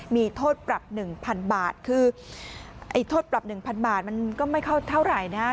มีโทษปรับ๑๐๐๐บาทคือไอ้โทษปรับ๑๐๐บาทมันก็ไม่เข้าเท่าไหร่นะฮะ